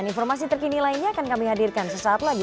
dan informasi terkini lainnya akan kami hadirkan sesaat lagi